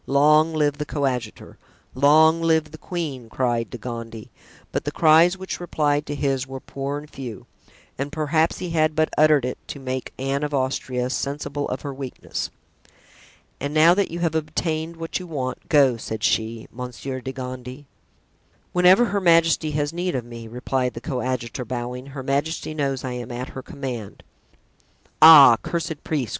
"Long live the coadjutor!" "Long live the queen!" cried De Gondy; but the cries which replied to his were poor and few, and perhaps he had but uttered it to make Anne of Austria sensible of her weakness. "And now that you have obtained what you want, go," said she, "Monsieur de Gondy." "Whenever her majesty has need of me," replied the coadjutor, bowing, "her majesty knows I am at her command." "Ah, cursed priest!"